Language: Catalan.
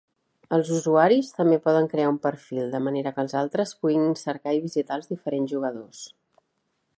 Els usuaris també poden crear un perfil, de manera que els altres puguin cercar i visitar els diferents jugadors.